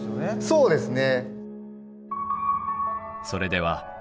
そうですね。